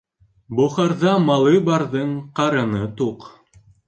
Бохарҙа малы барҙың ҡарыны туҡ.